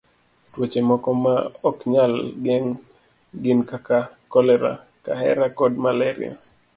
Tuoche moko ma ok nyal geng' gin kaka kolera, kahera, kod malaria.